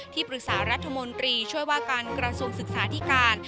ปรึกษารัฐมนตรีช่วยว่าการกระทรวงศึกษาธิการ